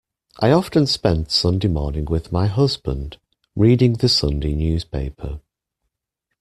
I often spend Sunday morning with my husband, reading the Sunday newspaper